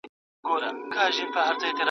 د آیفون زنګ د کلمو ښکلی کاروان ور ړنګ کړ.